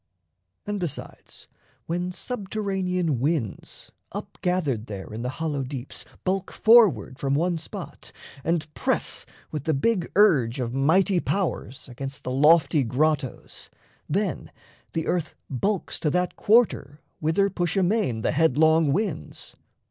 And besides, When subterranean winds, up gathered there In the hollow deeps, bulk forward from one spot, And press with the big urge of mighty powers Against the lofty grottos, then the earth Bulks to that quarter whither push amain The headlong winds.